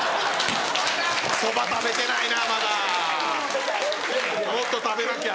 そば食べてないなまだもっと食べなきゃ。